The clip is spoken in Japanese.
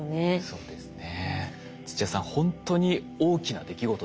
そうですね。